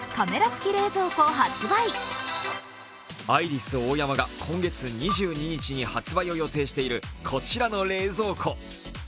アイリスオーヤマが今月２２日に発売を予定しているこちらの冷蔵庫。